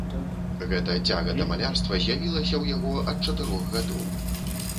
Гэта цяга да малярства з'явілася ў яго ад чатырох гадоў.